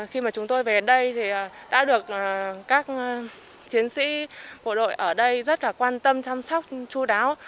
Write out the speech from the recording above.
khi mà chúng tôi về đây thì đã được các chiến sĩ bộ đội ở đây rất là quan tâm chăm sóc chú đáo